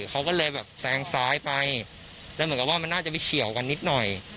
เขาก็เลยแบบแซงซ้ายไปแล้วเหมือนกับว่ามันน่าจะไปเฉียวกันนิดหน่อย